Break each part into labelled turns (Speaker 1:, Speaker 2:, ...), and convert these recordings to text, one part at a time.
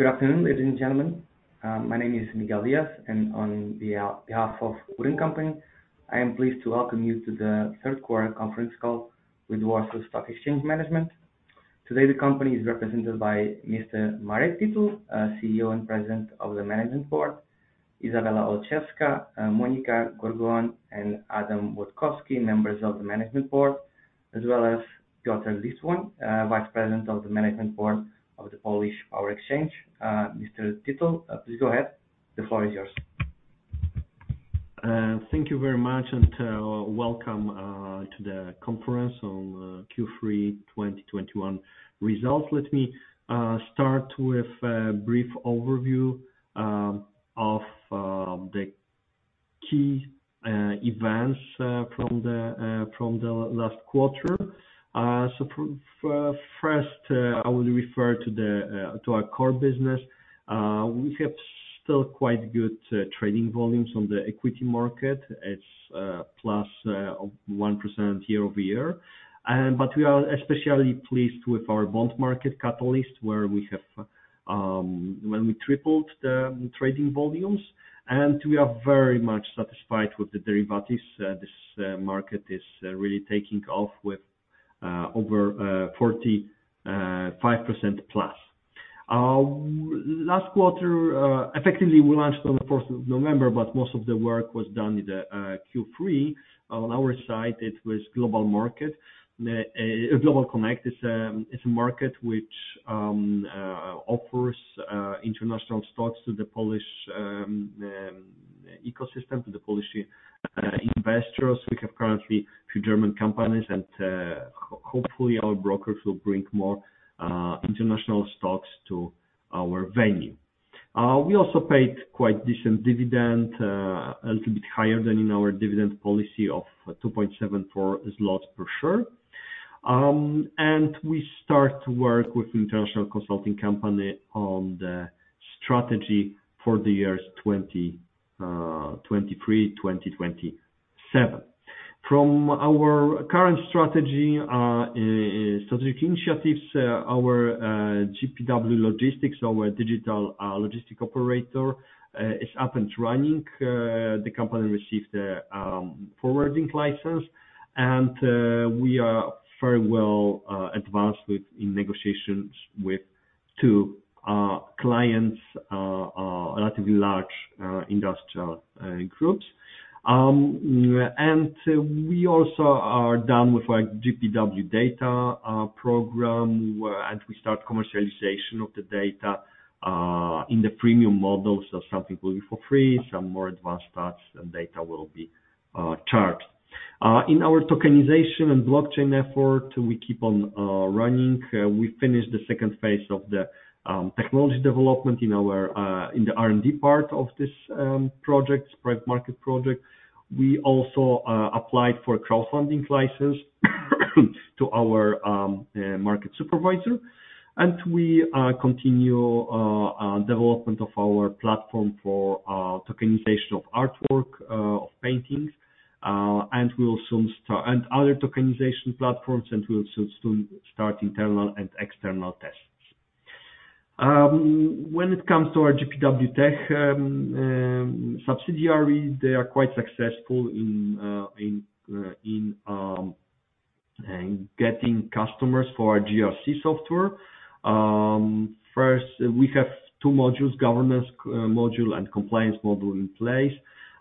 Speaker 1: Good afternoon, ladies and gentlemen. My name is Miguel Dias, and on behalf of WOOD & Company, I am pleased to welcome you to the Third Quarter Conference Call with Warsaw Stock Exchange Management. Today, the company is represented by Mr. Marek Dietl, CEO and President of the Management Board, Izabela Olszewska, Monika Kolińska, and Adam Rutkowski, Members of the Management Board, as well as Piotr Listwan, Vice-President of the Management Board of the Polish Power Exchange. Mr. Dietl, please go ahead. The floor is yours.
Speaker 2: Thank you very much, and welcome to the Conference on Q3 2021 results. Let me start with a brief overview of the key events from the last quarter. First, I would refer to our core business. We have still quite good trading volumes on the equity market. It's +1% year-over-year. We are especially pleased with our bond market Catalyst, where we have. When we tripled the trading volumes, we are very much satisfied with the derivatives. This market is really taking off with over 45% plus. Last quarter, effectively, we launched on the 1st of November, most of the work was done in Q3. On our side, it was global market. GlobalConnect is a market which offers international stocks to the Polish ecosystem, to the Polish investors. We have currently two German companies, and hopefully our brokers will bring more international stocks to our venue. We also paid quite decent dividend, a little bit higher than in our dividend policy of 2.74 zloty per share. We start to work with international consulting company on the strategy for the years 2023-2027. From our current strategy, strategic initiatives, our GPW Logistics, our digital logistic operator, is up and running. The company received a forwarding license. We are very well advanced in negotiations with 2 clients, relatively large industrial groups. We also are done with our GPW Data program, and we start commercialization of the data in the premium models. Some people will be for free, some more advanced parts and data will be charged. In our tokenization and blockchain effort, we keep on running. We finished the 2nd phase of the technology development in our in the R&D part of this project, Spread Market project. We also applied for a crowdfunding license to our market supervisor. We continue development of our platform for tokenization of artwork, of paintings, and we will soon start... Other tokenization platforms, and we will soon start internal and external tests. When it comes to our GPW subsidiaries, they are quite successful in getting customers for our GRC software. First, we have two modules, governance module and compliance module in place.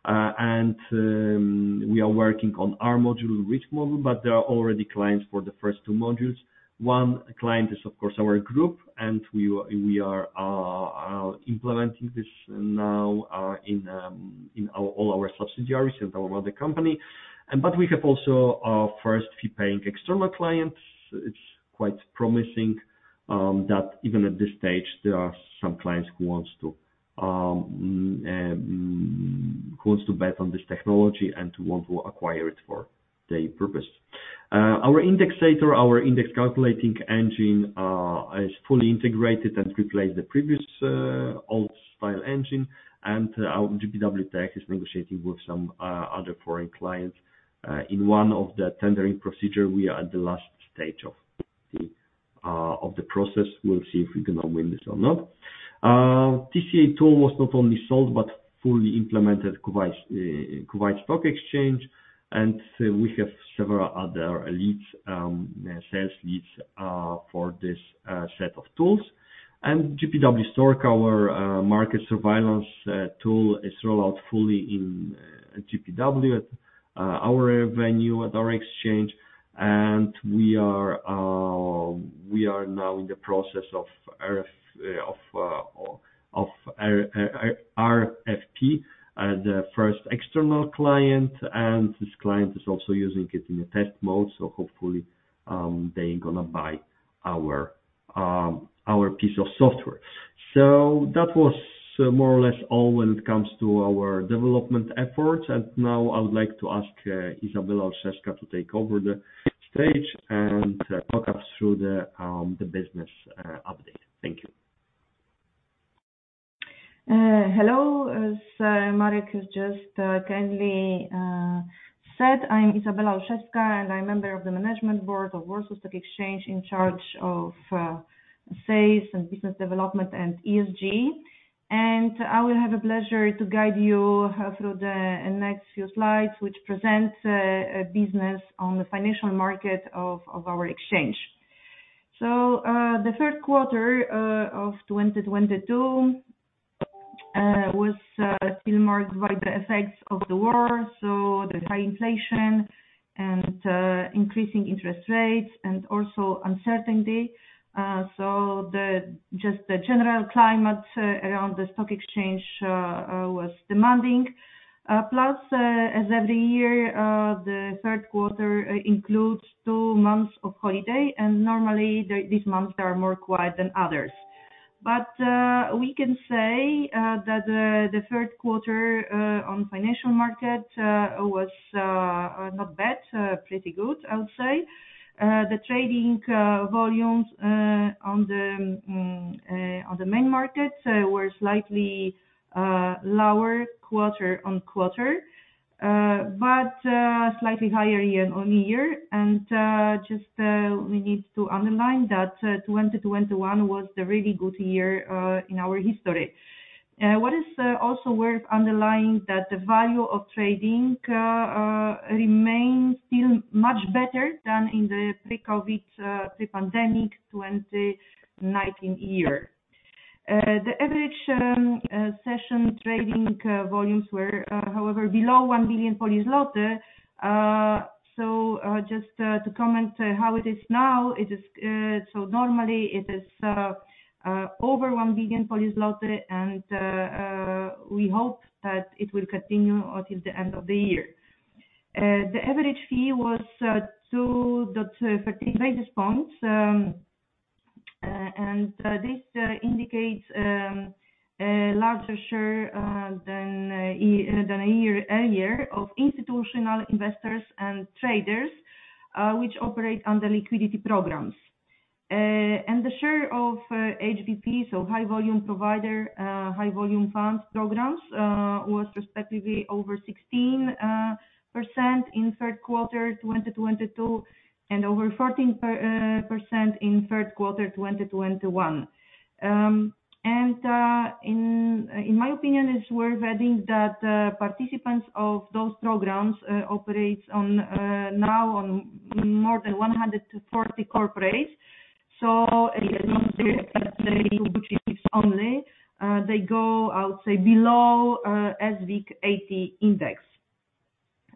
Speaker 2: We are working on our module, risk module, but there are already clients for the first two modules. One client is, of course, our group, and we are implementing this now in all our subsidiaries and our other company. We have also our first fee-paying external clients. It's quite promising that even at this stage, there are some clients who wants to bet on this technology and want to acquire it for their purpose. Our Indexator, our index calculating engine, is fully integrated and replaced the previous old-style engine. Our GPW Tech is negotiating with some other foreign clients. In one of the tendering procedure, we are at the last stage of the process. We'll see if we're gonna win this or not. TCA tool was not only sold, but fully implemented Kuwait Stock Exchange, and we have several other leads, sales leads, for this set of tools. GPW STORK, our market surveillance tool is rolled out fully in GPW at our venue at our exchange. We are now in the process of RFP the first external client, and this client is also using it in a test mode. Hopefully, they're gonna buy our piece of software. That was more or less all when it comes to our development efforts. Now I would like to ask Izabela Olszewska to take over the stage and talk us through the business update. Thank you.
Speaker 3: Hello. As Marek has just kindly said, I'm Izabela Olszewska, and I'm Member of the Management Board of Warsaw Stock Exchange in charge of sales and business development and ESG. I will have the pleasure to guide you through the next few slides, which presents a business on the financial market of our exchange. The third quarter of 2022 was still marked by the effects of the war, so the high inflation and increasing interest rates and also uncertainty. The general climate around the stock exchange was demanding. Plus, as every year, the third quarter includes 2 months of holiday, and normally these months are more quiet than others. We can say that the third quarter on financial market was not bad. Pretty good, I would say. The trading volumes on the main markets were slightly lower quarter-on-quarter, slightly higher year-on-year. Just we need to underline that 2021 was a really good year in our history. What is also worth underlining, that the value of trading remains still much better than in the pre-COVID, pre-pandemic 2019 year. The average session trading volumes were, however, below 1 billion. Just to comment how it is now, it is normally over 1 billion Polish zloty and we hope that it will continue until the end of the year. The average fee was 2.13 basis points. This indicates a larger share than a year earlier of institutional investors and traders which operate under liquidity programs. The share of HVP, so High Volume Provider, high volume funds programs, was respectively over 16% in third quarter 2022 and over 14% in third quarter 2021. In my opinion, it's worth adding that participants of those programs operates on now on more than 140 corporates. Only, they go, I would say, below WIG80 index,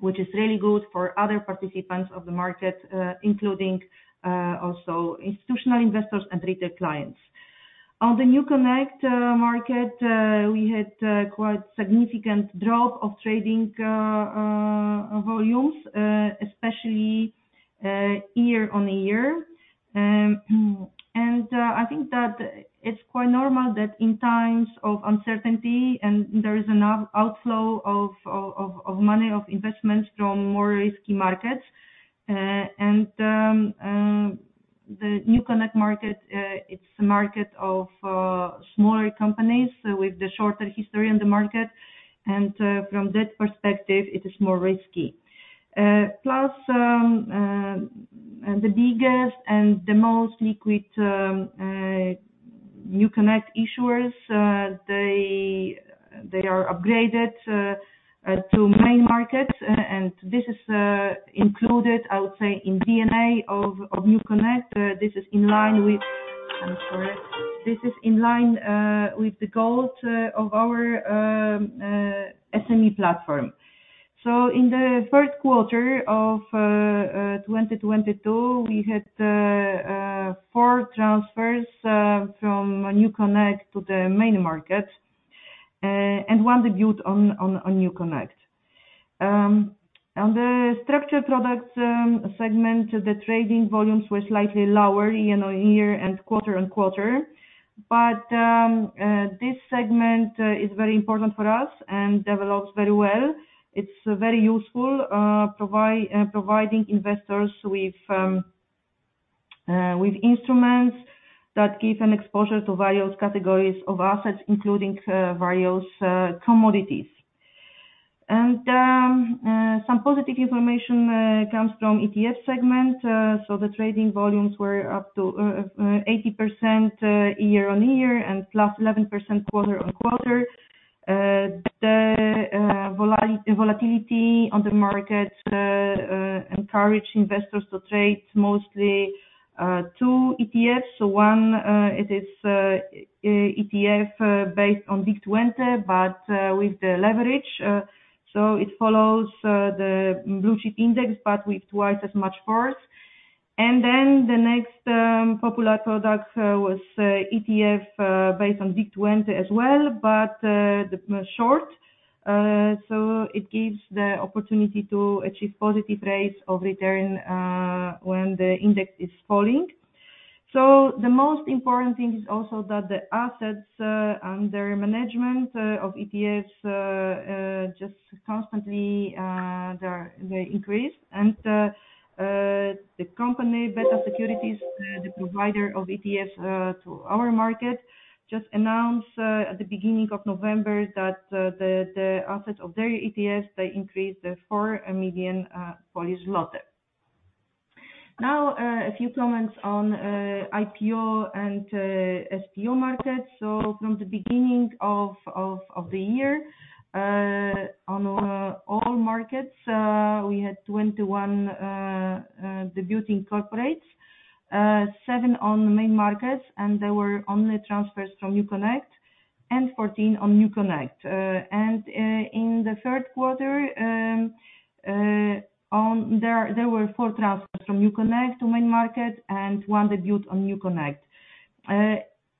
Speaker 3: which is really good for other participants of the market, including also institutional investors and retail clients. On the NewConnect market, we had quite significant drop of trading volumes, especially year-on-year. I think that it's quite normal that in times of uncertainty and there is an outflow of money, of investments from more risky markets. The NewConnect market, it's a market of smaller companies with the shorter history on the market. From that perspective, it is more risky. Plus, the biggest and the most liquid NewConnect issuers, they are upgraded to main markets. This is included, I would say, in DNA of NewConnect. This is in line with. I'm sorry. This is in line with the goals of our SME platform. In the third quarter of 2022, we had 4 transfers from NewConnect to the main market and 1 debut on NewConnect. On the structured products segment, the trading volumes were slightly lower year-over-year and quarter-over-quarter. This segment is very important for us and develops very well. It's very useful, providing investors with instruments that give an exposure to various categories of assets, including various commodities. Some positive information comes from ETF segment. volumes were up to, uh, 80% year-on-year and +11% quarter-on-quarter. The volatility on the market encouraged investors to trade mostly two ETFs. So one, it is ETF based on WIG20 but with the leverage. So it follows the blue chip index, but with twice as much force. Then the next popular product was ETF based on WIG20 as well, but the short. So it gives the opportunity to achieve positive rates of return when the index is falling. The most important thing is also that the assets under management of ETFs just constantly, they increase The company Beta Securities, the provider of ETFs, to our market, just announced at the beginning of November that the assets of their ETFs, they increased 4 million Polish zloty. A few comments on IPO and SPO markets. From the beginning of the year, on all markets, we had 21 debuting corporates. Seven on the main markets, and they were only transfers from NewConnect, and 14 on NewConnect. In the third quarter, there were four transfers from NewConnect to main market and one debut on NewConnect.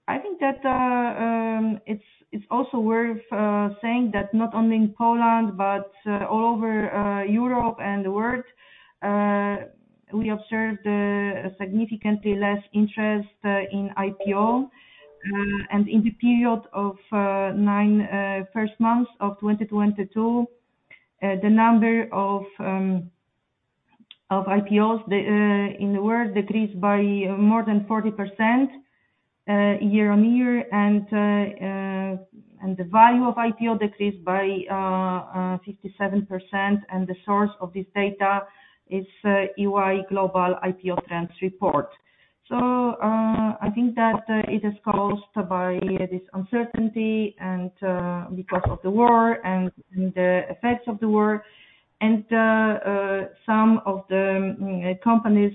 Speaker 3: I think that it's also worth saying that not only in Poland but all over Europe and the world, we observed significantly less interest in IPO. In the period of 9 first months of 2022, the number of IPOs in the world decreased by more than 40% year-on-year. The value of IPO decreased by 57%. The source of this data is EY Global IPO Trends report. I think that it is caused by this uncertainty and because of the war and the effects of the war. Some of the companies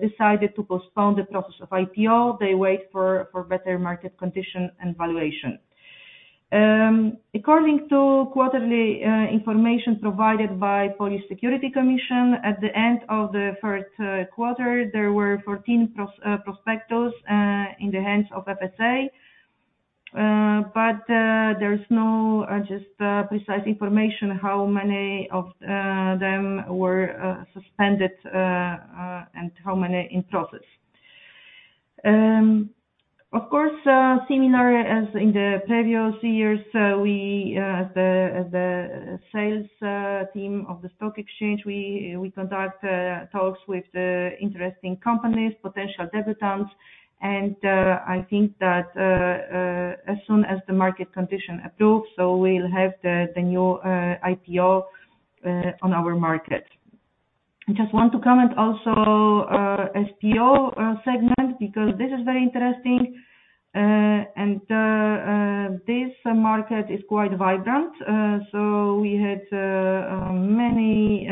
Speaker 3: decided to postpone the process of IPO. They wait for better market condition and valuation. According to quarterly information provided by Polish Financial Supervision Authority, at the end of the first quarter, there were 14 prospectors in the hands of PFSA. There's no precise information how many of them were suspended and how many in process. Of course, similar as in the previous years, we the sales team of the Stock Exchange conduct talks with the interesting companies, potential debutants. I think that as soon as the market condition approves, so we'll have the new IPO on our market. I just want to comment also SPO segment because this is very interesting. This market is quite vibrant. We had many,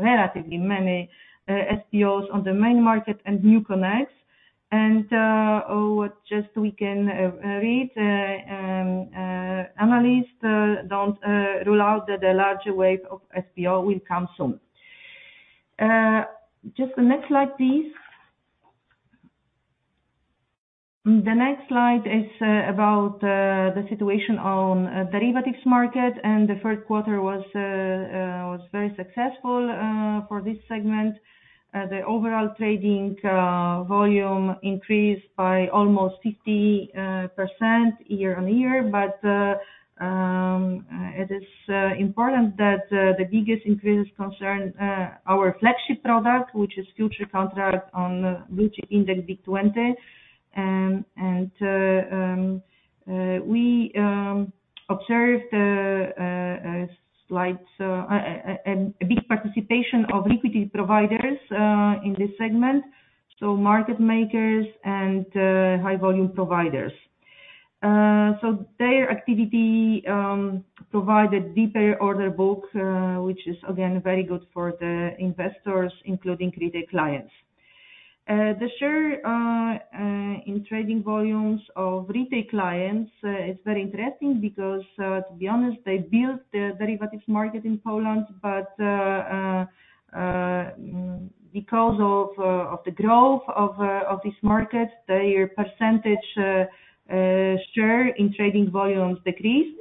Speaker 3: relatively many SPOs on the main market and NewConnect. Just we can read analysts don't rule out that a larger wave of SPO will come soon. Just the next slide, please. The next slide is about the situation on derivatives market, and the third quarter was very successful for this segment. The overall trading volume increased by almost 50% year-on-year. It is important that the biggest increase concern our flagship product, which is future contract on WIG index WIG20. We observed a big participation of liquidity providers in this segment, so market makers and High Volume Providers. Their activity provided deeper order book, which is again, very good for the investors, including retail clients. The share in trading volumes of retail clients is very interesting because, to be honest, they built the derivatives market in Poland. Because of the growth of this market, their percentage share in trading volumes decreased.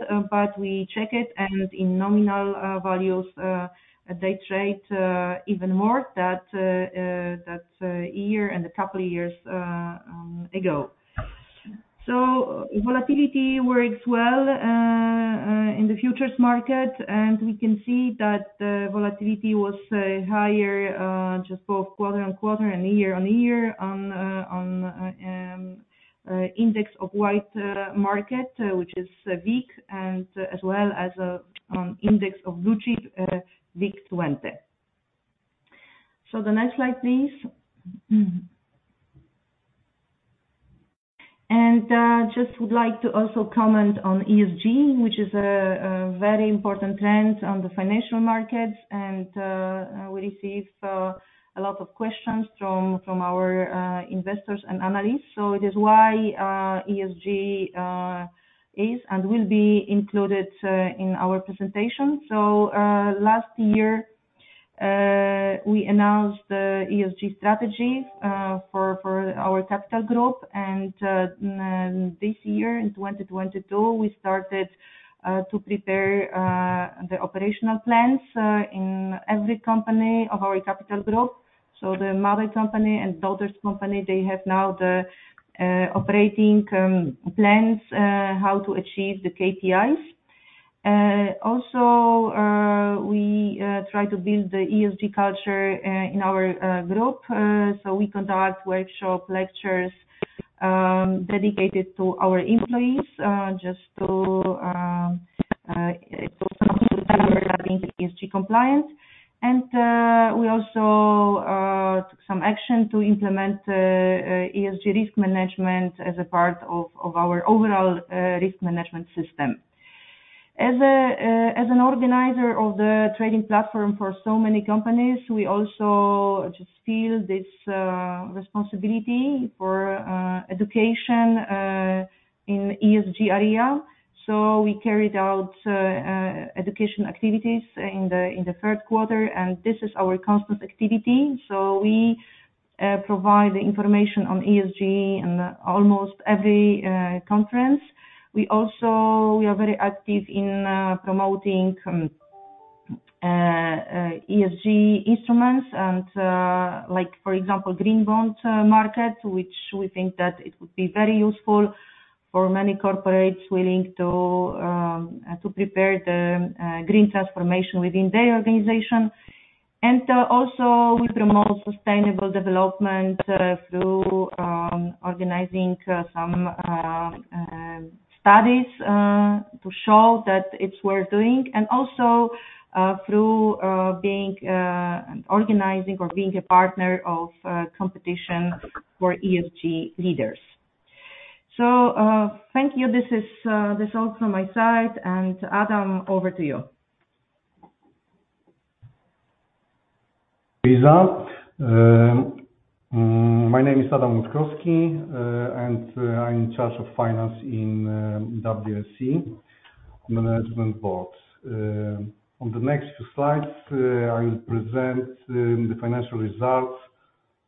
Speaker 3: We check it and in nominal values, they trade even more that year and a couple of years ago. Volatility works well in the futures market, and we can see that the volatility was higher just both quarter-on-quarter and year-on-year on index of wide market which is WIG and as well as index of WIG WIG20. The next slide, please. Just would like to also comment on ESG, which is a very important trend on the financial markets. We receive a lot of questions from our investors and analysts. It is why ESG is and will be included in our presentation. Last year we announced the ESG strategy for our capital group. This year in 2022, we started to prepare the operational plans in every company of our capital group. The mother company and daughter's company, they have now the operating plans how to achieve the KPIs. Also, we try to build the ESG culture in our group. We conduct workshop lectures dedicated to our employees, just to some people that are looking into ESG compliance. We also took some action to implement ESG risk management as a part of our overall risk management system. As an organizer of the trading platform for so many companies, we also just feel this responsibility for education in ESG area. We carried out education activities in the third quarter, and this is our constant activity. We provide the information on ESG in almost every conference. We are very active in promoting ESG instruments and, like, for example, green bonds market, which we think that it would be very useful for many corporates willing to prepare the green transformation within their organization. Also we promote sustainable development through organizing some studies to show that it's worth doing and also through being organizing or being a partner of competition for ESG leaders. Thank you. This is all from my side. Adam, over to you.
Speaker 4: Lisa. My name is Adam Rutkowski, and I'm in charge of finance in WSE management board. On the next few slides, I will present the financial results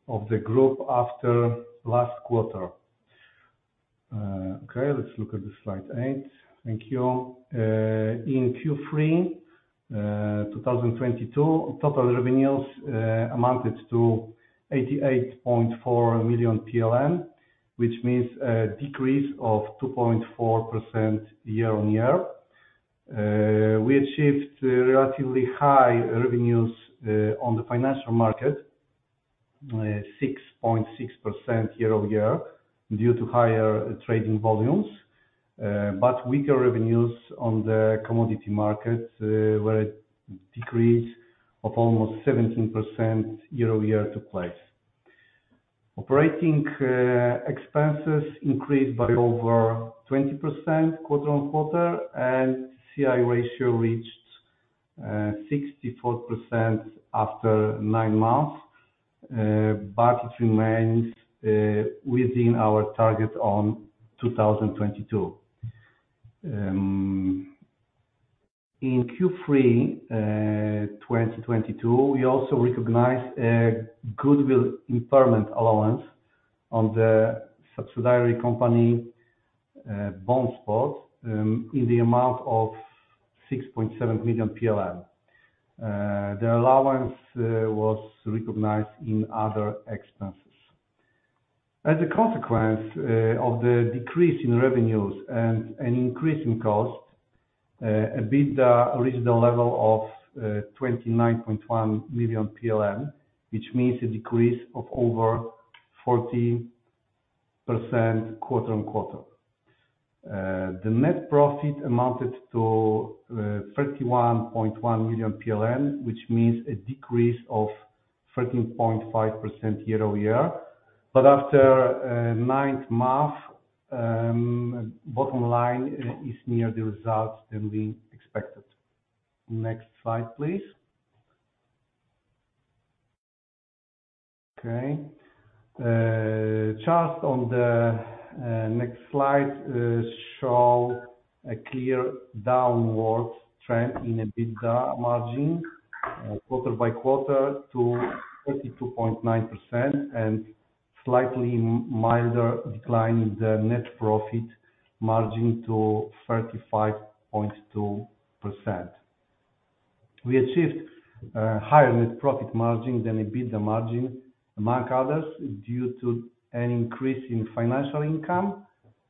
Speaker 4: of the group after last quarter. Okay, let's look at the slide 8. Thank you. In Q3 2022, total revenues amounted to 88.4 million, which means a decrease of 2.4% year-on-year. We achieved relatively high revenues on the financial market, 6.6% year-over-year, due to higher trading volumes. Weaker revenues on the commodity market, where a decrease of almost 17% year-over-year took place. Operating expenses increased by over 20% quarter-on-quarter, and C/I ratio reached 64% after nine months. It remains within our target on 2022. In Q3 2022, we also recognized a goodwill impairment allowance on the subsidiary company, BondSpot, in the amount of 6.7 million. The allowance was recognized in other expenses. As a consequence of the decrease in revenues and an increase in cost, EBITDA reached the level of 29.1 million, which means a decrease of over 40% quarter-on-quarter. The net profit amounted to 31.1 million PLN, which means a decrease of 13.5% year-over-year. After ninth month, bottom line is near the results than we expected. Next slide, please. Okay. Charts on the next slide show a clear downward trend in EBITDA margin quarter by quarter to 32.9% and slightly milder decline in the net profit margin to 35.2%. We achieved higher net profit margin than EBITDA margin, among others, due to an increase in financial income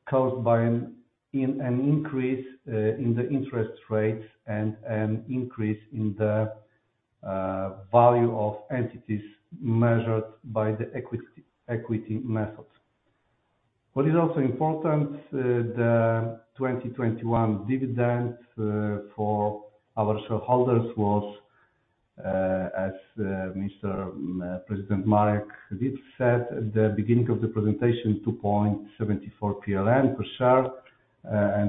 Speaker 4: caused by an increase in the interest rates and an increase in the value of entities measured by the equity method. What is also important, the 2021 dividend for our shareholders was as Mr. President Marek Dietl did said at the beginning of the presentation, 2.74 PLN per share.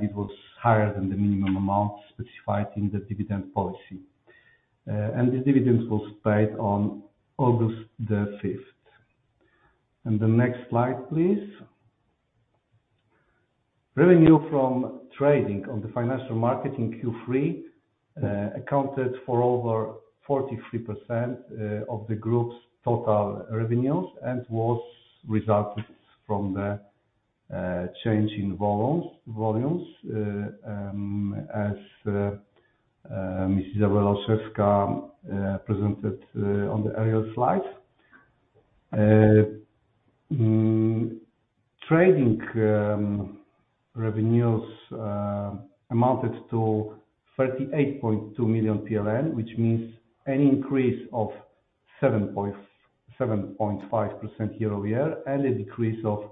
Speaker 4: It was higher than the minimum amount specified in the dividend policy. The dividends was paid on August the fifth. The next slide, please. Revenue from trading on the financial market in Q3 accounted for over 43% of the group's total revenues and was resulted from the change in volumes, as Miss Izabela Olszewska presented on the earlier slide. Trading revenues amounted to 38.2 million PLN, which means an increase of 7.5% year-over-year and a decrease of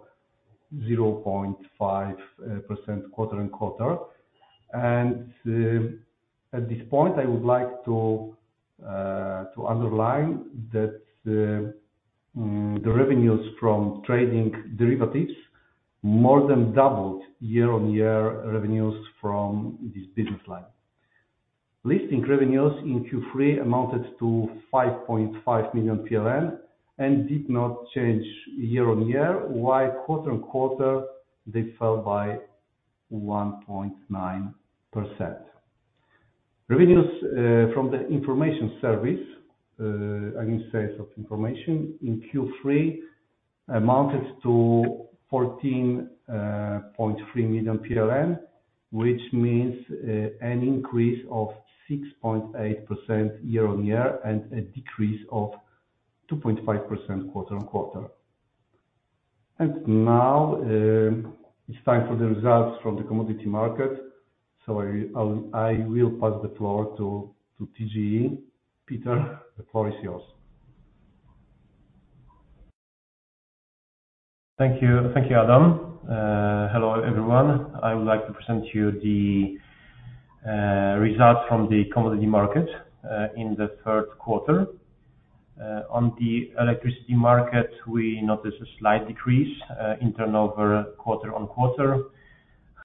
Speaker 4: 0.5% quarter-on-quarter. At this point, I would like to underline that the revenues from trading derivatives more than doubled year-on-year revenues from this business line. Listing revenues in Q3 amounted to 5.5 million PLN and did not change year-on-year, while quarter-on-quarter they fell by 1.9%. Revenues, from the information service, I mean, sales of information in Q3 amounted to 14.3 million PLN, which means an increase of 6.8% year-on-year and a decrease of 2.5% quarter-on-quarter. Now, it's time for the results from the commodity market. I will pass the floor to TGE. Piotr, the floor is yours.
Speaker 5: Thank you. Thank you, Adam. Hello, everyone. I would like to present to you the results from the commodity market in the third quarter. On the electricity market, we noticed a slight decrease in turnover quarter-on-quarter.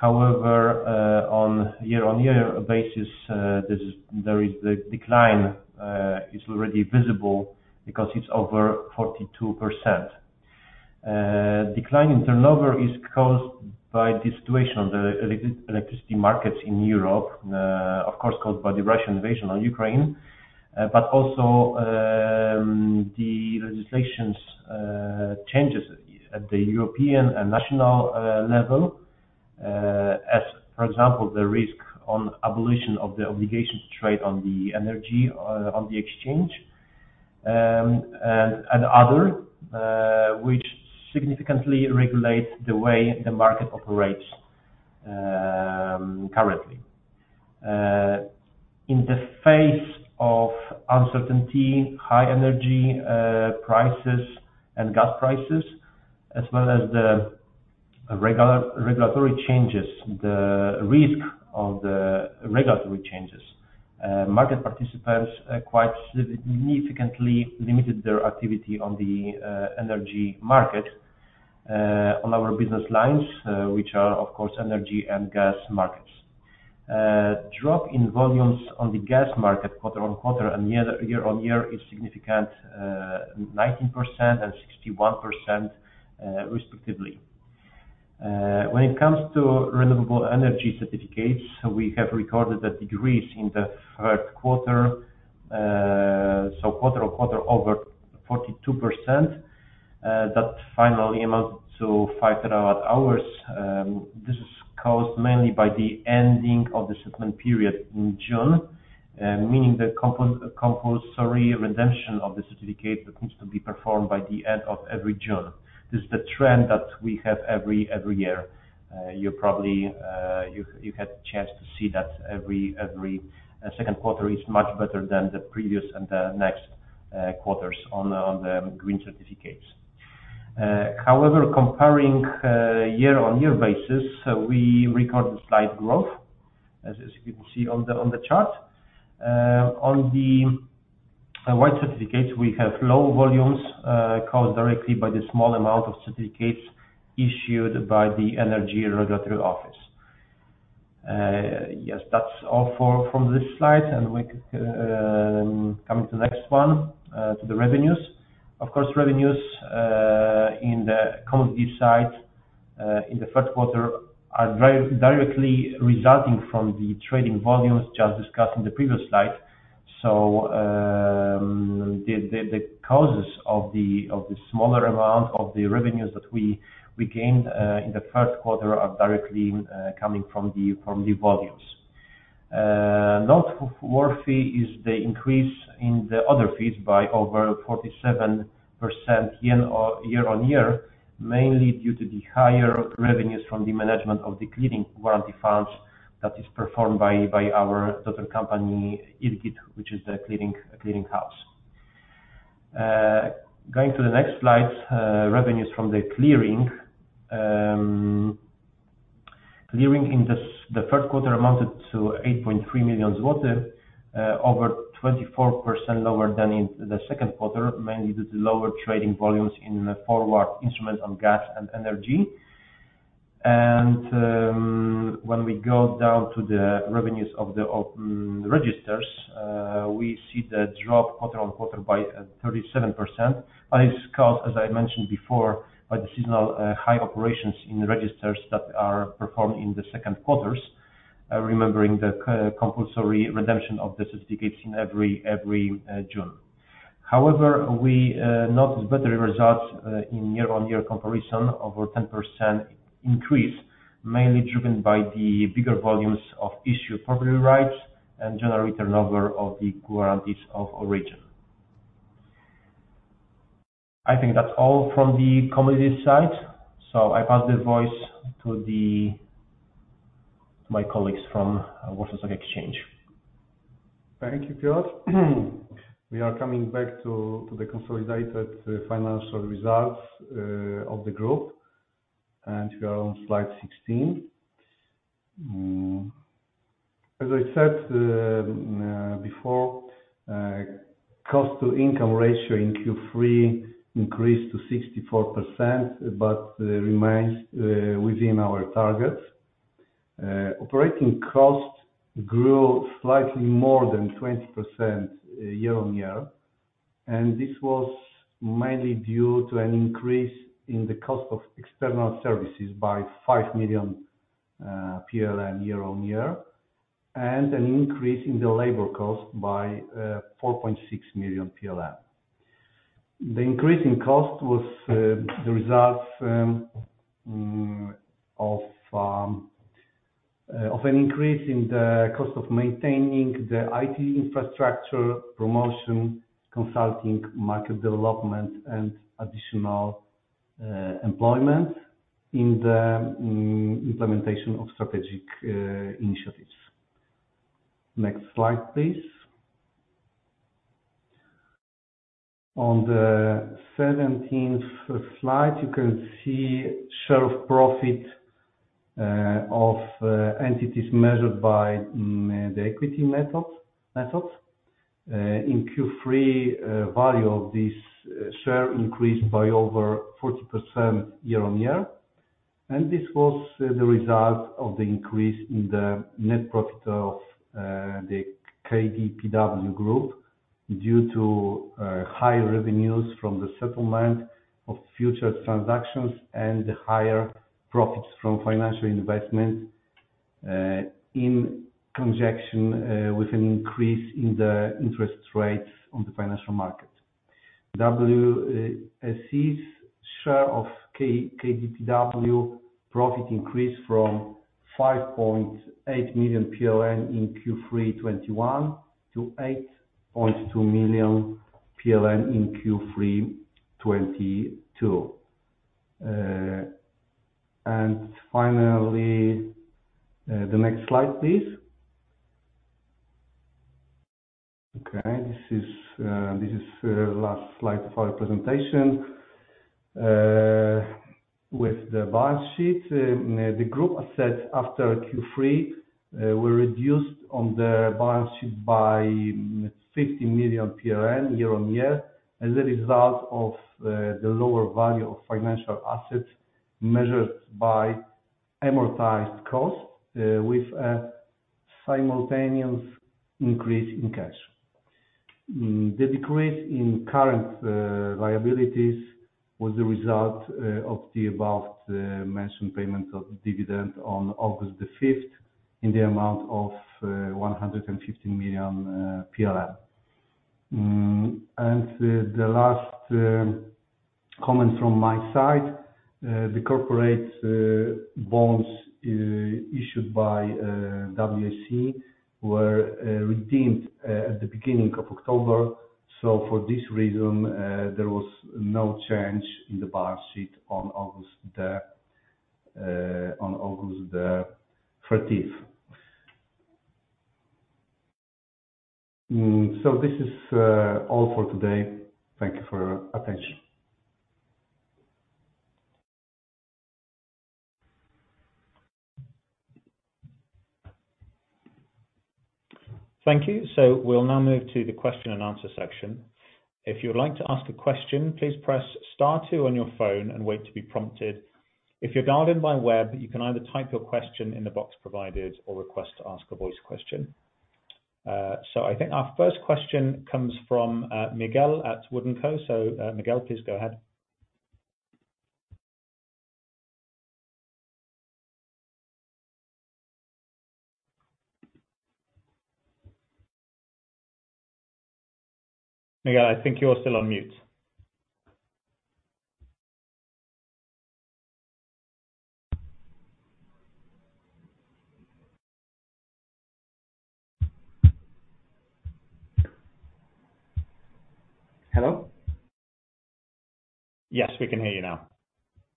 Speaker 5: However, on year-on-year basis, there is the decline is already visible because it's over 42%. Decline in turnover is caused by the situation of the electricity markets in Europe, of course, caused by the Russian invasion on Ukraine. The legislations changes at the European and national level, as for example, the risk on abolition of the obligation to trade on the energy on the exchange and other, which significantly regulates the way the market operates currently. In the face of uncertainty, high energy prices and gas prices, as well as the regular regulatory changes, the risk of the regulatory changes, market participants quite significantly limited their activity on the energy market on our business lines, which are of course energy and gas markets. Drop in volumes on the gas market quarter-on-quarter and year-on-year is significant, 19% and 61% respectively. When it comes to renewable energy certificates, we have recorded a decrease in the third quarter, so quarter-on-quarter over 42%, that finally amount to 5 TWh. This is caused mainly by the ending of the settlement period in June, meaning the compulsory redemption of the certificate that needs to be performed by the end of every June. This is the trend that we have every year. You probably you've had a chance to see that every second quarter is much better than the previous and the next quarters on the green certificates. However, comparing year-on-year basis, we recorded slight growth, as you can see on the chart. On the white certificates, we have low volumes, caused directly by the small amount of certificates issued by the Energy Regulatory Office. Yes. That's all for from this slide, and we can come to the next one to the revenues. Of course, revenues in the commodity side in the first quarter are directly resulting from the trading volumes just discussed in the previous slide. The causes of the smaller amount of the revenues that we gained in the first quarter are directly coming from the volumes. Noteworthy is the increase in the other fees by over 47% year-on-year, mainly due to the higher revenues from the management of the clearing warranty funds that is performed by our daughter company, IRGiT, which is the clearing house. Going to the next slide, revenues from the clearing. Clearing in the third quarter amounted to 8.3 million zloty, over 24% lower than in the second quarter, mainly due to lower trading volumes in the forward instruments on gas and energy. When we go down to the revenues of the registers, we see the drop quarter-on-quarter by 37%. It's caused, as I mentioned before, by the seasonal, high operations in registers that are performed in the second quarters, remembering the compulsory redemption of the certificates in every June. However, we noticed better results in year-on-year comparison, over 10% increase, mainly driven by the bigger volumes of issued property rights and general return over of the guarantees of origin. I think that's all from the community side. I pass the voice to my colleagues from Warsaw Stock Exchange.
Speaker 4: Thank you, Piotr. We are coming back to the consolidated financial results of the group. We are on slide 16. As I said before, cost to income ratio in Q3 increased to 64%, but remains within our targets. Operating costs grew slightly more than 20% year-on-year, and this was mainly due to an increase in the cost of external services by 5 million PLN year-on-year, and an increase in the labor cost by 4.6 million PLN. The increase in cost was the result of an increase in the cost of maintaining the IT infrastructure, promotion, consulting, market development, and additional employment in the implementation of strategic initiatives. Next slide, please. On the 17th slide, you can see share of profit of entities measured by the equity methods. In Q3, value of this share increased by over 40% year-on-year, and this was the result of the increase in the net profit of the KDPW Group due to higher revenues from the settlement of future transactions and the higher profits from financial investments in conjunction with an increase in the interest rates on the financial market. WSE's share of KDPW profit increased from 5.8 million PLN in Q3 2021 to 8.2 million PLN in Q3 2022. Finally, the next slide, please. Okay, this is the last slide of our presentation with the balance sheet. The group assets after Q3 were reduced on the balance sheet by 50 million year-on-year as a result of the lower value of financial assets measured by amortized costs with a simultaneous increase in cash. The decrease in current liabilities was the result of the above mentioned payment of dividend on August the fifth in the amount of 150 million. The last comment from my side, the corporate bonds issued by WSE were redeemed at the beginning of October. For this reason, there was no change in the balance sheet on August the 13th. This is all for today. Thank you for your attention.
Speaker 6: Thank you. We'll now move to the question and answer section. If you would like to ask a question, please press star two on your phone and wait to be prompted. If you're dialed in by web, you can either type your question in the box provided or request to ask a voice question. I think our first question comes from Miguel at WOOD & Company. Miguel, please go ahead.
Speaker 5: Miguel, I think you're still on mute.
Speaker 1: Hello?
Speaker 5: Yes, we can hear you now.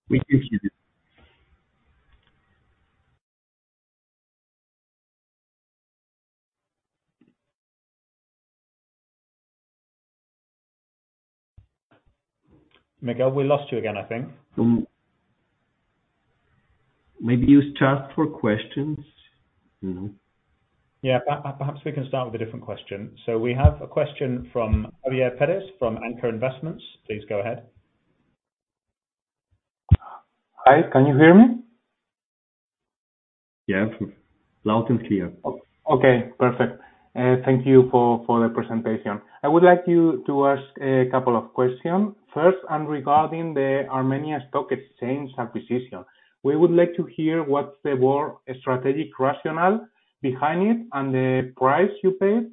Speaker 2: We can hear you.
Speaker 5: Miguel, we lost you again, I think. Mm.
Speaker 4: Maybe you start for questions. No?
Speaker 6: Yeah. Perhaps we can start with a different question. We have a question from Javier Pérez from Ancor Investments. Please go ahead.
Speaker 7: Hi, can you hear me?
Speaker 2: Yes. Loud and clear.
Speaker 7: Okay, thank you for the presentation. I would like you to ask a couple of question. First regarding the Armenia Stock Exchange acquisition, we would like to hear what's the board strategic rationale behind it and the price you paid?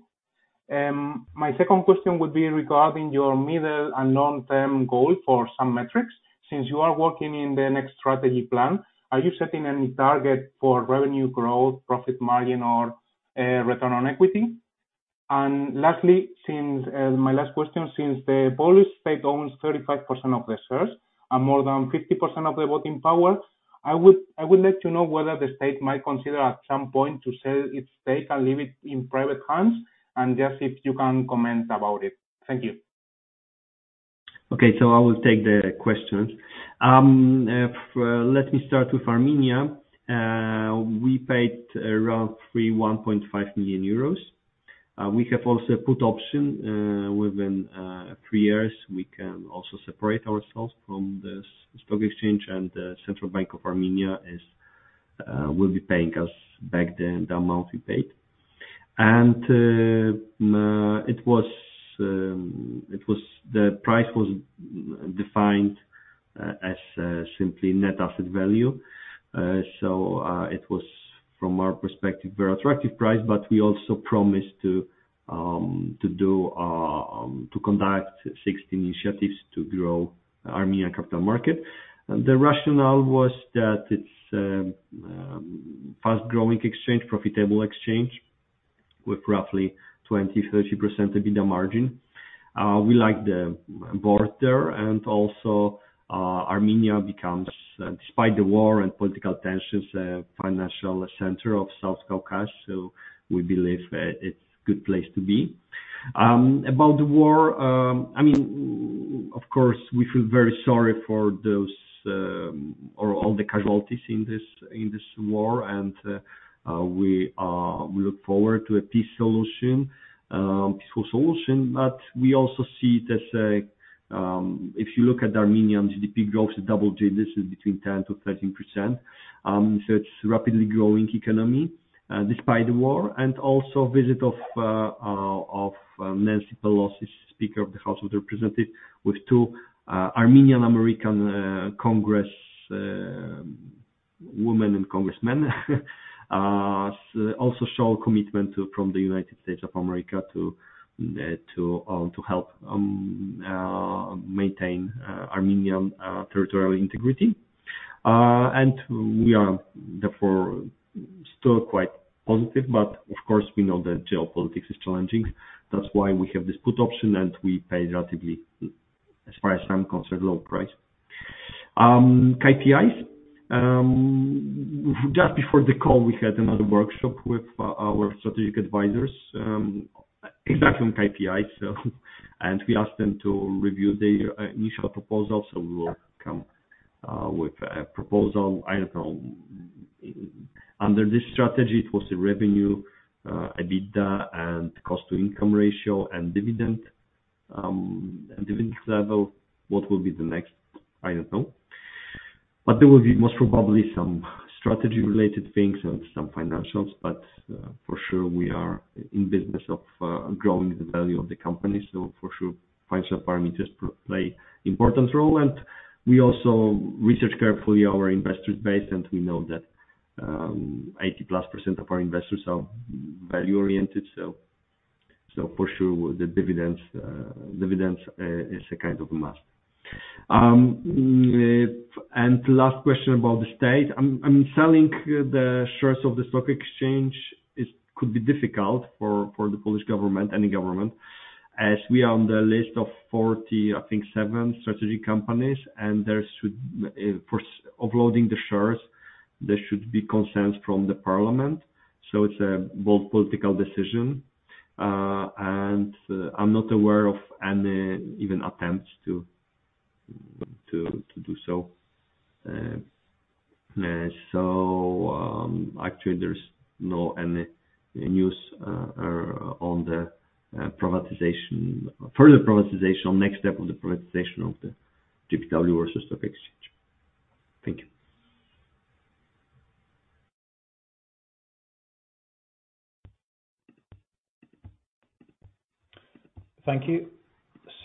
Speaker 7: My second question would be regarding your middle and long-term goal for some metrics. Since you are working in the next strategy plan, are you setting any target for revenue growth, profit margin or return on equity? Lastly, since my last question, since the Polish state owns 35% of the shares and more than 50% of the voting power, I would like to know whether the state might consider at some point to sell its stake and leave it in private hands, and just if you can comment about it? Thank you.
Speaker 2: Okay. I will take the questions. Let me start with Armenia. We paid around 31.5 million euros. We have also put option, within 3 years, we can also separate ourselves from the stock exchange, the Central Bank of Armenia will be paying us back the amount we paid. The price was defined as simply net asset value. It was, from our perspective, very attractive price, but we also promised to conduct 60 initiatives to grow Armenia capital market. The rationale was that it's fast-growing exchange, profitable exchange with roughly 20%, 30% EBITDA margin. We like the border. Also, Armenia becomes, despite the war and political tensions, a financial center of South Caucasus. We believe that it's good place to be. About the war, I mean, of course, we feel very sorry for those or all the casualties in this war. We look forward to a peaceful solution. We also see it as a, if you look at Armenian GDP growth, double digits between 10% to 13%. It's rapidly growing economy despite the war. Also visit of Nancy Pelosi, Speaker of the House of Representatives, with 2 Armenian-American Congresswoman and Congressman also show commitment from the United States of America to help maintain Armenian territorial integrity. We are therefore still quite positive. Of course, we know that geopolitics is challenging. That's why we have this put option, and we pay relatively, as far as I'm concerned, low price. KPIs. Just before the call, we had another workshop with our strategic advisors, exactly on KPIs. We asked them to review the initial proposal. We will come with a proposal. I don't know. Under this strategy, it was the revenue, EBITDA and cost to income ratio and dividend and dividends level. What will be the next? I don't know. There will be most probably some strategy related things and some financials. For sure, we are in business of growing the value of the company. For sure, financial parameters play important role. We also research carefully our investors base, and we know that 80+% of our investors are value-oriented. For sure the dividends is a kind of a must. Last question about the state. I mean, selling the shares of the stock exchange is, could be difficult for the Polish government, any government, as we are on the list of 40, I think, seven strategy companies, and there should for offloading the shares, there should be consent from the parliament. It's a both political decision. I'm not aware of any even attempts to do so. Actually, there's no any news on the privatization, further privatization or next step of the privatization of the GPW or stock exchange. Thank you.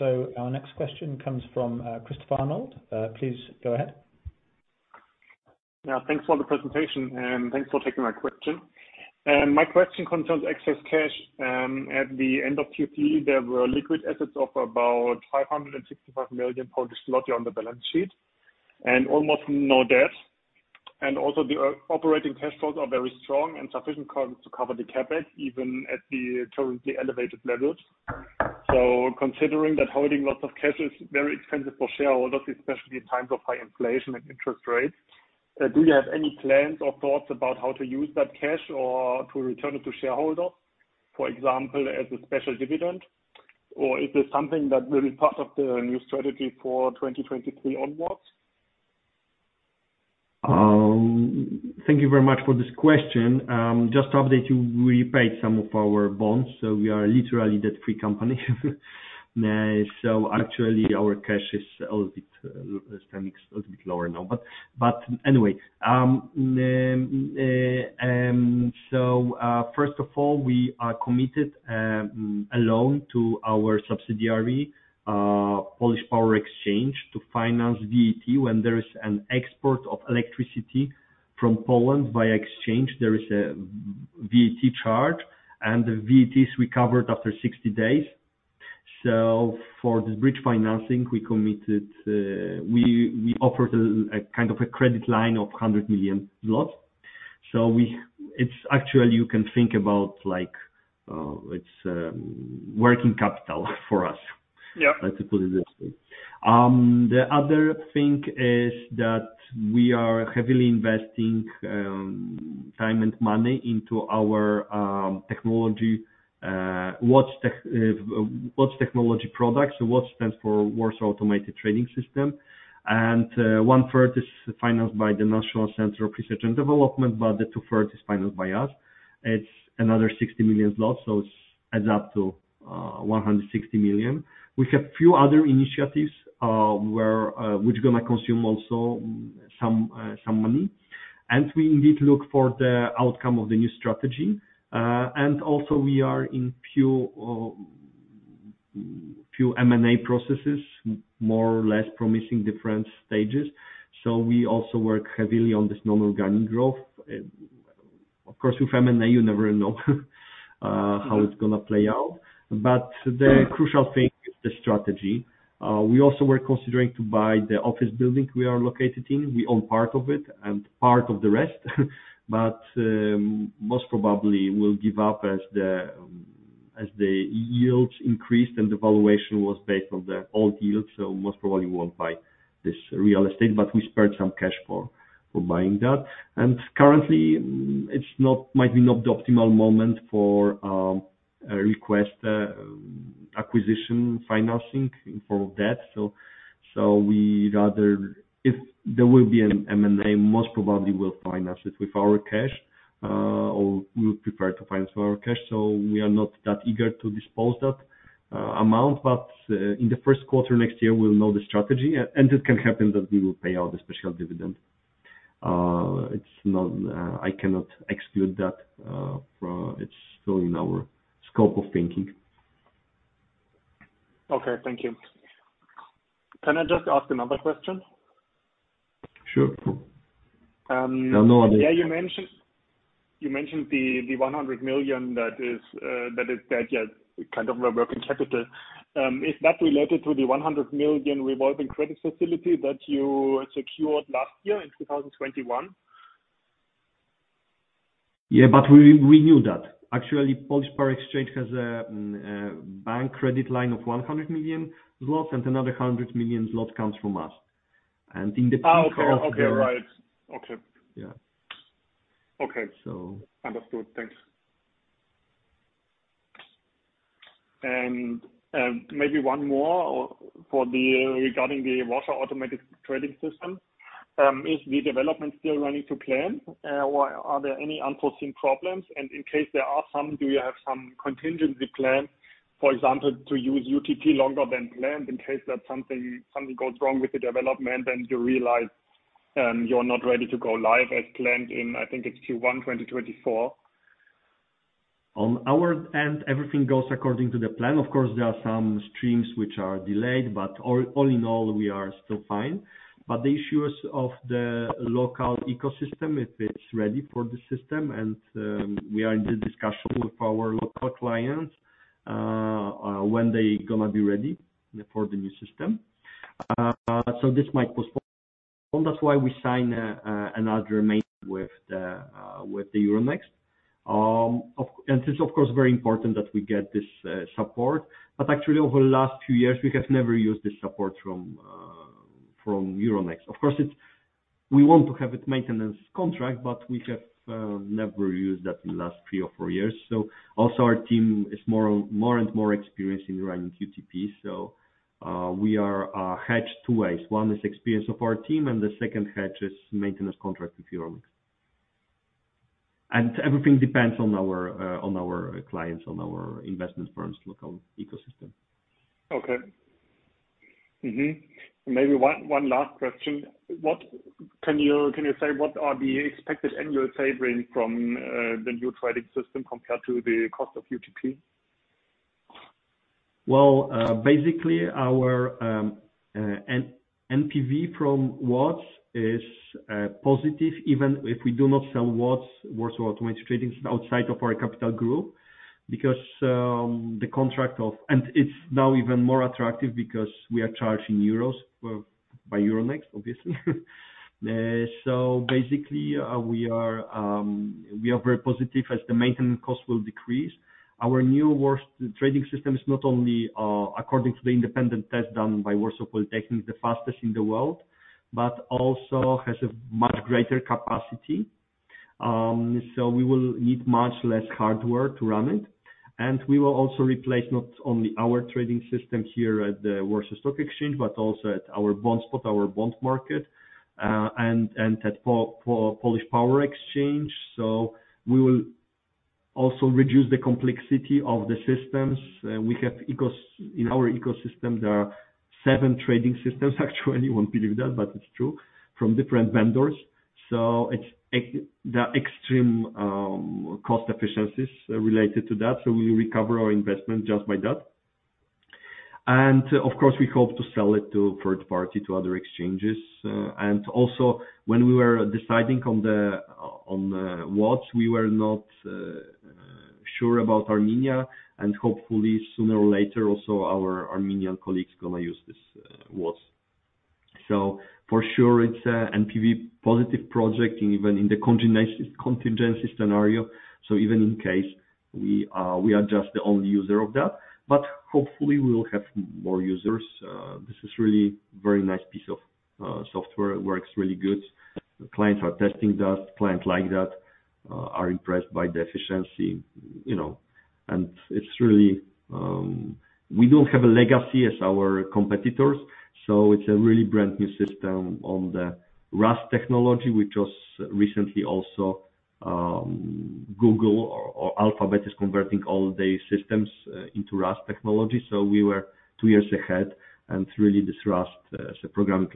Speaker 6: Thank you. Our next question comes from Christoph Arnold. Please go ahead.
Speaker 8: Yeah. Thanks for the presentation, and thanks for taking my question. My question concerns excess cash. At the end of Q3, there were liquid assets of about 565 million Polish zloty on the balance sheet and almost no debt. Also the operating cash flows are very strong and sufficient covers to cover the CapEx, even at the currently elevated levels. Considering that holding lots of cash is very expensive for shareholders, especially in times of high inflation and interest rates, do you have any plans or thoughts about how to use that cash or to return it to shareholders, for example, as a special dividend? Is this something that will be part of the new strategy for 2023 onwards?
Speaker 2: Thank you very much for this question. Just to update you, we paid some of our bonds, so we are literally debt-free company. Actually our cash is a little bit spending is a little bit lower now. Anyway, first of all, we are committed a loan to our subsidiary, Polish Power Exchange, to finance VAT. When there is an export of electricity from Poland via exchange, there is a VAT charge, and the VAT is recovered after 60 days. For the bridge financing, we committed, we offered a kind of a credit line of 100 million zlotys. It's actually you can think about like it's working capital for us.
Speaker 8: Yeah.
Speaker 2: Let's put it this way. The other thing is that we are heavily investing time and money into our technology, WATS technology products. WATS stands for Warsaw Automated Trading System. One-third is financed by the National Centre for Research and Development, but the two-third is financed by us. It's another 60 million zlotys, so it adds up to 160 million. We have few other initiatives where which gonna consume also some money. We indeed look for the outcome of the new strategy. Also we are in few M&A processes, more or less promising different stages. So we also work heavily on this normal organic growth. Of course, with M&A, you never know how it's gonna play out. But the crucial thing is the strategy. We also were considering to buy the office building we are located in. We own part of it and part of the rest. Most probably we'll give up as the yields increase, and the valuation was based on the old yields, so most probably won't buy this real estate, but we spared some cash for buying that. Currently, it's not, might be not the optimal moment for a request, acquisition financing in form of debt. We'd rather if there will be an M&A, most probably we'll finance it with our cash, or we would prefer to finance with our cash. We are not that eager to dispose that amount. In the first quarter next year, we'll know the strategy. It can happen that we will pay out the special dividend. It's not, I cannot exclude that. It's still in our scope of thinking.
Speaker 8: Okay, thank you. Can I just ask another question?
Speaker 2: Sure. No problem.
Speaker 8: Yeah, you mentioned the 100 million that is dead yet, kind of a working capital. Is that related to the 100 million revolving credit facility that you secured last year in 2021?
Speaker 2: Yeah, we knew that. Actually, Polish Power Exchange has a bank credit line of 100 million zlotys, and another 100 million zloty comes from us.
Speaker 8: Oh, okay. Okay, right. Okay.
Speaker 2: Yeah.
Speaker 8: Okay.
Speaker 2: So.
Speaker 8: Understood. Thanks. Maybe one more regarding the Warsaw Automated Trading System. Is the development still running to plan? Or are there any unforeseen problems? In case there are some, do you have some contingency plan, for example, to use UTP longer than planned in case that something goes wrong with the development and you realize, you're not ready to go live as planned in, I think it's Q1 2024?
Speaker 2: On our end, everything goes according to the plan. Of course, there are some streams which are delayed, but all in all, we are still fine. The issues of the local ecosystem, if it's ready for the system, and we are in the discussion with our local clients, when they gonna be ready for the new system. This might postpone. That's why we sign an agreement with the Euronext. It's of course, very important that we get this support. Actually, over the last few years, we have never used this support from Euronext. Of course, we want to have it maintenance contract, but we have never used that in the last 3 or 4 years. Also our team is more and more experienced in running UTP. We are hedged two ways. One is experience of our team, and the second hedge is maintenance contract with Euronext. Everything depends on our clients, on our investment firms, local ecosystem.
Speaker 8: Okay. Mm-hmm. Maybe one last question. Can you say what are the expected annual savings from the new trading system compared to the cost of UTP?
Speaker 2: Basically, our NPV from WATS is positive, even if we do not sell WATS, Warsaw Automated Tradings System, outside of our Capital Group. It's now even more attractive because we are charged in euros by Euronext, obviously. Basically, we are very positive as the maintenance cost will decrease. Our new WATS trading system is not only according to the independent test done by Warsaw Polytechnic, the fastest in the world, but also has a much greater capacity. We will need much less hardware to run it. We will also replace not only our trading system here at the Warsaw Stock Exchange, but also at our BondSpot, our bond market, and at Polish Power Exchange. We will also reduce the complexity of the systems. In our ecosystem, there are 7 trading systems actually, you won't believe that, but it's true, from different vendors. It's the extreme cost efficiencies related to that. We will recover our investment just by that. Of course, we hope to sell it to third party, to other exchanges. Also when we were deciding on the WATS, we were not sure about Armenia, and hopefully sooner or later also our Armenian colleagues gonna use this WATS. For sure it's NPV positive project even in the contingency scenario. Even in case we are just the only user of that, but hopefully we will have more users. This is really very nice piece of software. It works really good. Clients are testing that. Clients like that are impressed by the efficiency, you know. It's really. We don't have a legacy as our competitors, so it's a really brand new system on the Rust technology, which was recently also Google or Alphabet is converting all their systems into Rust technology. We were 2 years ahead and really this Rust as a programming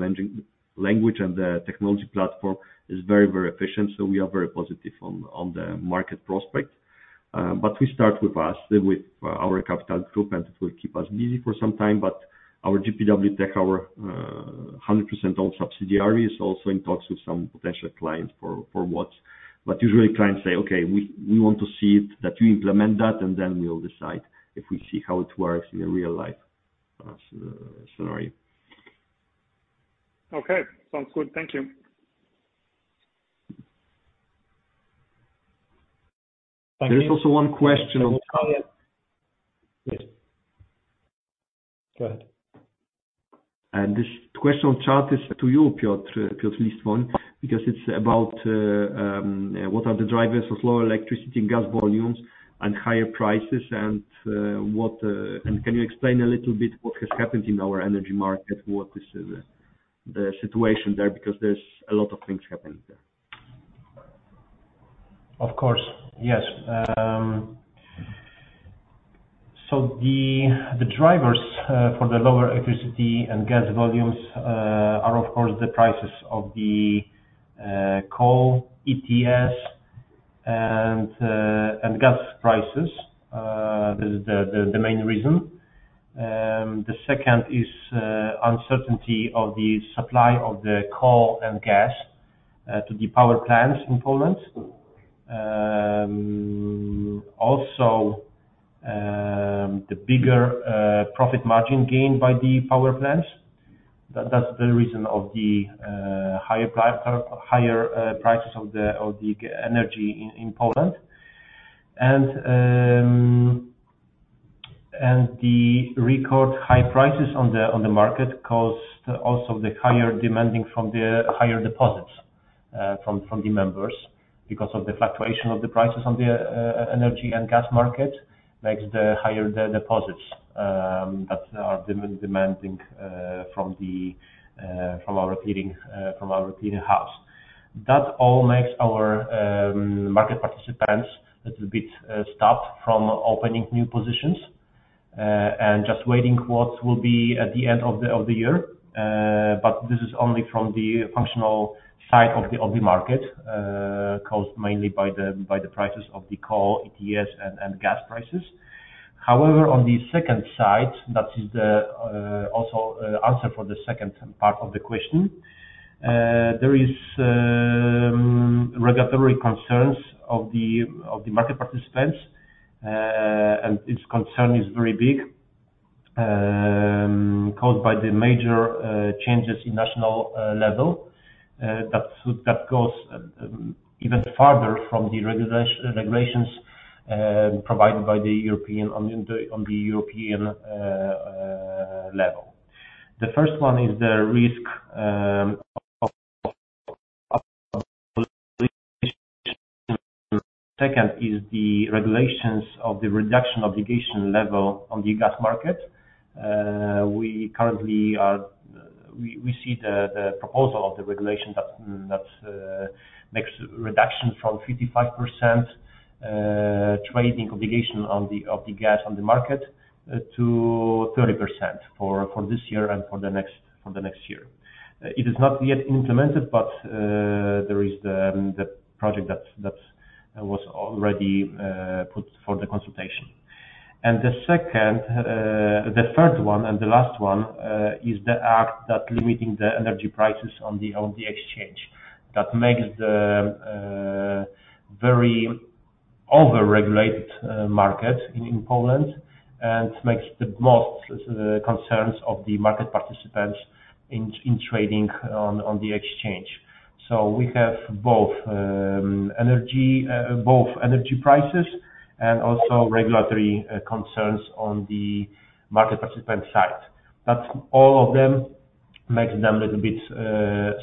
Speaker 2: language and the technology platform is very, very efficient. We are very positive on the market prospect. We start with us, with our capital group, and it will keep us busy for some time. Our GPW Tech, our 100% owned subsidiary, is also in talks with some potential clients for WATS. Usually clients say, "Okay, we want to see it, that you implement that, and then we'll decide if we see how it works in real life, scenario.
Speaker 8: Okay. Sounds good. Thank you.
Speaker 2: There is also one question. Yes. Go ahead. This question on chart is to you, Piotr Listwan, because it's about what are the drivers of lower electricity and gas volumes and higher prices. Can you explain a little bit what has happened in our energy market? What is the situation there? Because there's a lot of things happening there.
Speaker 5: Of course, yes. The drivers for the lower electricity and gas volumes are of course the prices of the coal, ETS and gas prices. This is the main reason. The second is uncertainty of the supply of the coal and gas to the power plants in Poland. The bigger profit margin gained by the power plants. That's the reason of the higher prices of the energy in Poland. The record high prices on the market caused also the higher demanding from the higher deposits from the members because of the fluctuation of the prices on the energy and gas market makes the higher deposits that are demanding from our clearing house. That all makes our market participants a little bit stopped from opening new positions and just waiting what will be at the end of the year. This is only from the functional side of the market caused mainly by the prices of the coal, ETS and gas prices. However, on the second side, that is the also answer for the second part of the question. There is regulatory concerns of the market participants, and its concern is very big, caused by the major changes in national level that goes even farther from the regulations provided by the European, on the European level. Second is the regulations of the reduction obligation level on the gas market. We currently see the proposal of the regulation that makes reduction from 55% trading obligation of the gas on the market to 30% for this year and for the next year. It is not yet implemented, but there is the project that's was already put for the consultation. The second, the third one and the last one is the act that limiting the energy prices on the exchange. That makes the very over-regulated market in Poland and makes the most concerns of the market participants in trading on the exchange. We have both energy, both energy prices and also regulatory concerns on the market participant side. That's all of them.
Speaker 2: Makes them a little bit,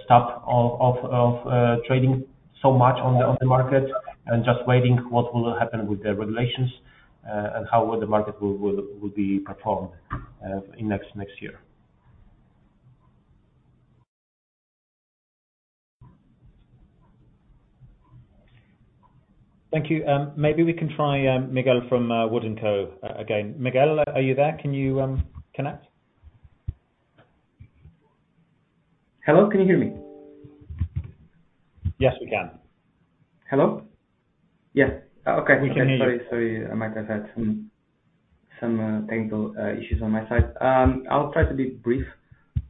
Speaker 2: stop of trading so much on the market and just waiting what will happen with the regulations, and how will the market will be performed in next year.
Speaker 6: Thank you. Maybe we can try, Miguel from, WOOD & Company again. Miguel, are you there? Can you, connect?
Speaker 1: Hello, can you hear me?
Speaker 2: Yes, we can.
Speaker 1: Hello? Yeah. Okay.
Speaker 2: We can hear you.
Speaker 1: Sorry. I might have had some technical issues on my side. I'll try to be brief.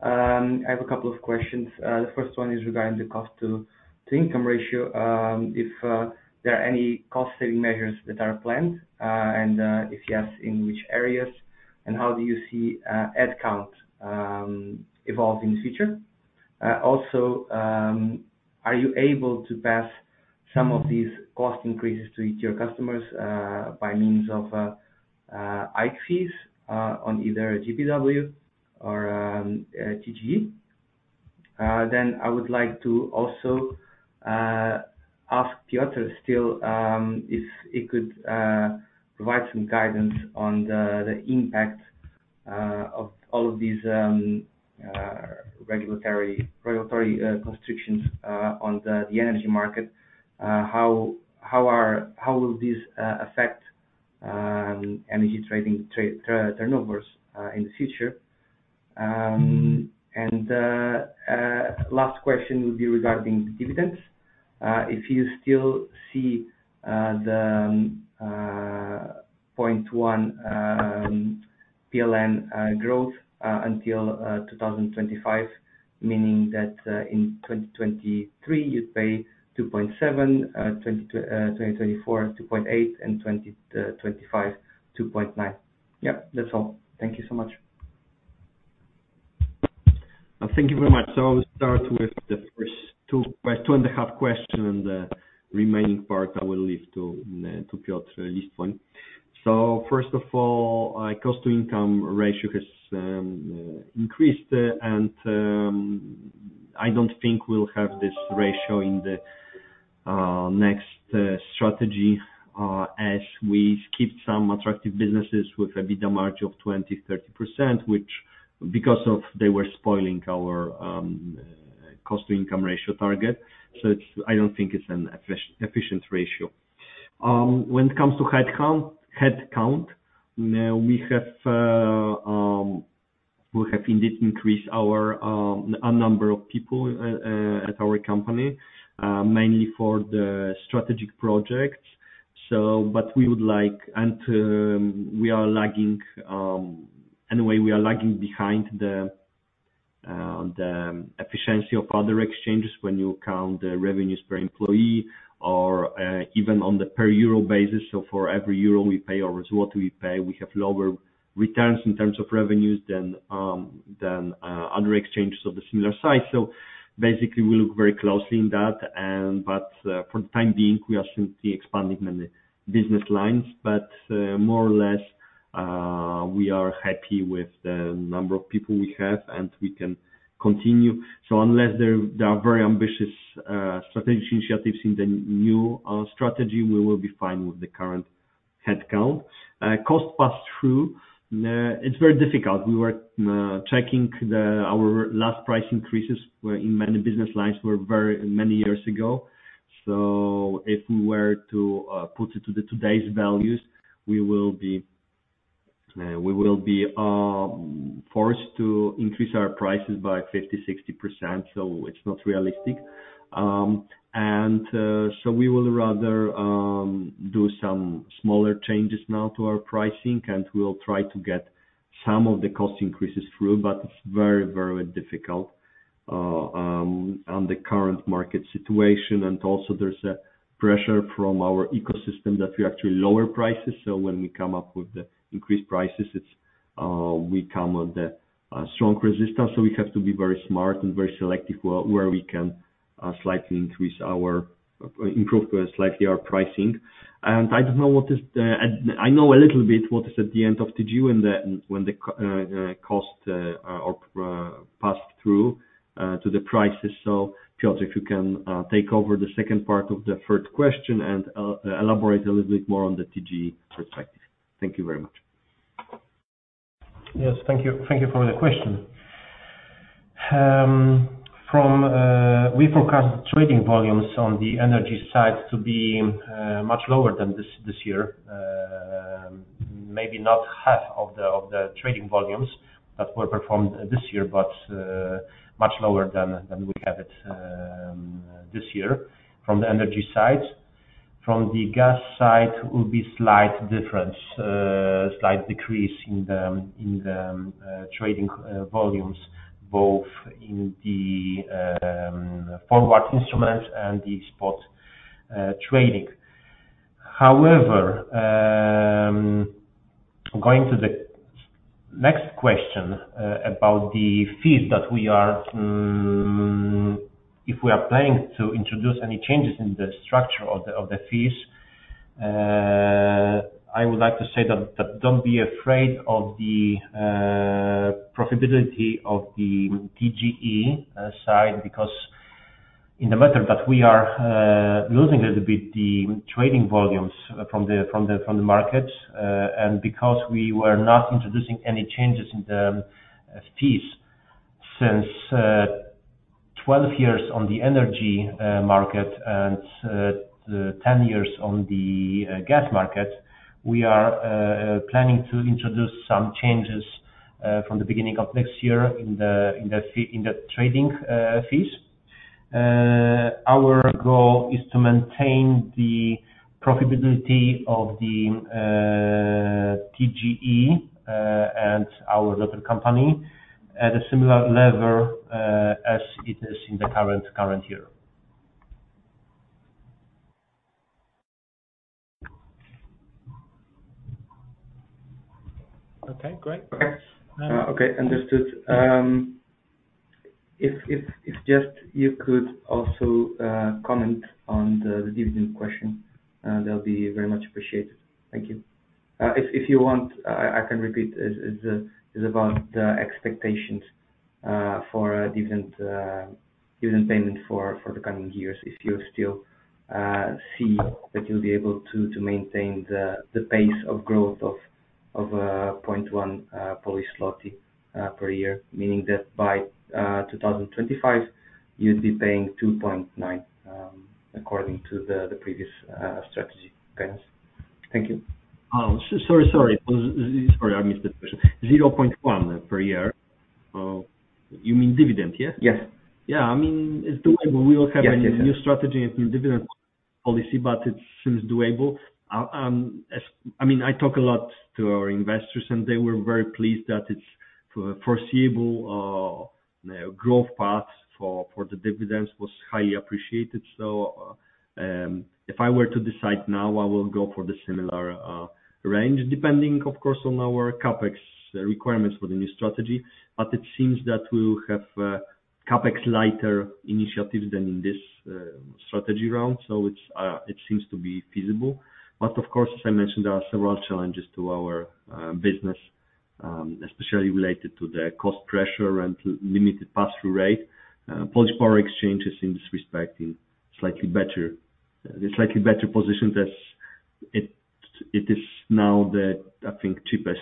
Speaker 1: I have a couple of questions. The first one is regarding the cost to income ratio. If there are any cost-saving measures that are planned. If yes, in which areas? How do you see ad count evolve in the future? Also, are you able to pass some of these cost increases to your customers by means of IT fees on either GPW or TGE? I would like to also ask Piotr still if he could provide some guidance on the impact of all of these regulatory constrictions on the energy market. How will this affect energy trading turnovers in the future? Last question would be regarding dividends. If you still see the 0.1 PLN growth until 2025, meaning that in 2023 you pay 2.7 PLN, 2024, 2.8 PLN, and 2025, 2.9 PLN. Yeah. That's all. Thank you so much.
Speaker 2: Thank you very much. I'll start with the first 2.5 question, and the remaining part I will leave to Piotr at this point. First of all, cost to income ratio has increased. I don't think we'll have this ratio in the next strategy as we skipped some attractive businesses with a EBITDA margin of 20%, 30%, which because of they were spoiling our cost to income ratio target. I don't think it's an efficient ratio. When it comes to headcount, we have indeed increased our number of people at our company mainly for the strategic projects. We are lagging. We are lagging behind the efficiency of other exchanges when you count the revenues per employee or even on the per EUR basis. For every EUR we pay or PLN we pay, we have lower returns in terms of revenues than other exchanges of the similar size. We look very closely in that and but for the time being, we are simply expanding many business lines. More or less, we are happy with the number of people we have, and we can continue. Unless there are very ambitious strategic initiatives in the new strategy, we will be fine with the current headcount. Cost pass through. It's very difficult. We were checking. Our last price increases were in many business lines were very many years ago. If we were to put it to the today's values, we will be forced to increase our prices by 50%-60%. It's not realistic. We will rather do some smaller changes now to our pricing, and we'll try to get some of the cost increases through. It's very, very difficult on the current market situation. Also there's a pressure from our ecosystem that we actually lower prices. When we come up with the increased prices, it's we come with a strong resistance. We have to be very smart and very selective where we can improve slightly our pricing. I don't know what is the... I know a little bit what is at the end of TGE when the cost are passed through to the prices. Piotr, if you can take over the second part of the first question and elaborate a little bit more on the TGE perspective. Thank you very much.
Speaker 5: Yes. Thank you. Thank you for the question. From, we forecast trading volumes on the energy side to be much lower than this year. Maybe not half of the trading volumes that were performed this year, but much lower than we have it this year from the energy side. From the gas side will be slight difference, slight decrease in the trading volumes both in the forward instruments and the spot trading. However, going to the next question, about the fees that we are
Speaker 2: If we are planning to introduce any changes in the structure of the fees, I would like to say that don't be afraid of the profitability of the TGE side because in the matter that we are losing a little bit the trading volumes from the market, because we were not introducing any changes in the fees since 12 years on the energy market and 10 years on the gas market, we are planning to introduce some changes from the beginning of next year in the fee, in the trading fees. Our goal is to maintain the profitability of the TGE and our local company at a similar level as it is in the current year.
Speaker 1: Okay, great. Okay. Okay. Understood. If just you could also comment on the dividend question that'll be very much appreciated. Thank you. If you want, I can repeat. It's about the expectations for dividend payment for the coming years. If you still see that you'll be able to maintain the pace of growth of 0.1 PLN per year. Meaning that by 2025, you'd be paying 2.9 PLN, according to the previous strategy plans. Thank you.
Speaker 2: Sorry, sorry. Sorry, I missed the question. 0.1 per year. You mean dividend, yeah?
Speaker 1: Yes.
Speaker 2: Yeah. I mean, it's doable.
Speaker 1: Yes. Yes. Yes.
Speaker 2: We will have a new strategy and dividend policy, but it seems doable. I mean, I talk a lot to our investors, and they were very pleased that it's foreseeable growth path for the dividends was highly appreciated. If I were to decide now, I will go for the similar range, depending of course on our CapEx requirements for the new strategy. It seems that we will have CapEx lighter initiatives than in this strategy round. It seems to be feasible. Of course, as I mentioned, there are several challenges to our business, especially related to the cost pressure and limited pass-through rate. Polish Power Exchange is, in this respect, in slightly better... In a slightly better position as it is now the, I think, cheapest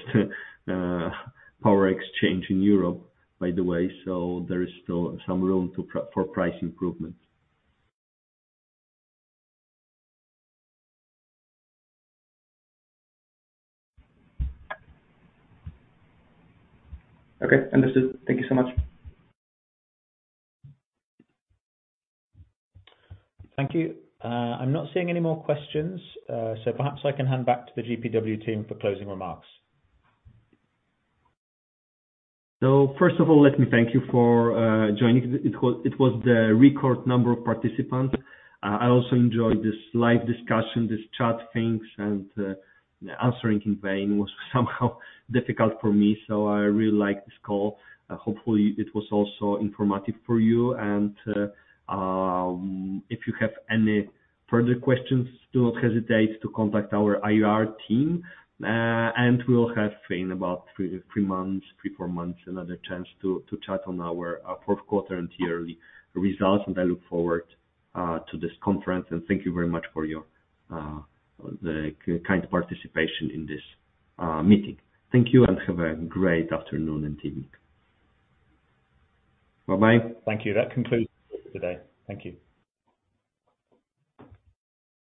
Speaker 2: power exchange in Europe, by the way. There is still some room for price improvement.
Speaker 1: Okay. Understood. Thank you so much.
Speaker 6: Thank you. I'm not seeing any more questions, perhaps I can hand back to the GPW team for closing remarks.
Speaker 2: First of all, let me thank you for joining. It was the record number of participants. I also enjoyed this live discussion, this chat things, and answering in vain was somehow difficult for me. I really like this call. Hopefully, it was also informative for you. If you have any further questions, do not hesitate to contact our IR team. We'll have in about 3-4 months another chance to chat on our fourth quarter and yearly results, and I look forward to this conference. Thank you very much for your kind participation in this meeting. Thank you. Have a great afternoon and evening. Bye-bye.
Speaker 6: Thank you. That concludes for today. Thank you.